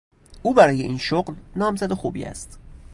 او برای این شغل نامزد خوبی است.